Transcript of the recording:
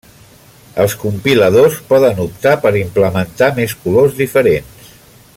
Els compiladors poden optar per implementar més colors diferents.